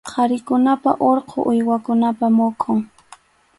Qharikunapa urqu uywakunapa muhun.